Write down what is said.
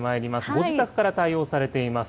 ご自宅から対応されています。